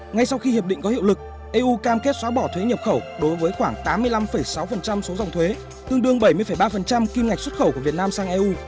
ngay sau khi hiệp định có hiệu lực eu cam kết xóa bỏ thuế nhập khẩu đối với khoảng tám mươi năm sáu số dòng thuế tương đương bảy mươi ba kim ngạch xuất khẩu của việt nam sang eu